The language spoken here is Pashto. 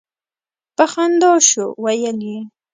په خندا شو ویل یې.